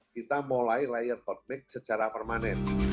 kita mulai layer hot mix secara permanen